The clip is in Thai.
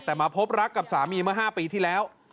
แต่มาพบรักกับสามีเมื่อ๕ปีที่แล้ว